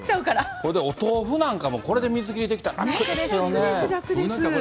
それでお豆腐なんかも、これで水切りできたら、楽ですよね。